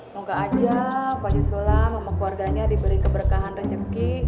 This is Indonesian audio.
moga aja pak haji sulam sama keluarganya diberi keberkahan rezeki